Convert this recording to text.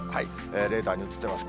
レーダーに映ってます。